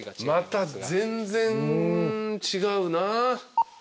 また全然違うなぁ。